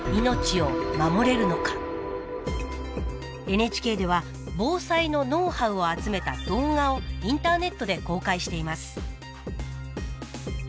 ＮＨＫでは防災のノウハウを集めた動画をインターネットで公開しています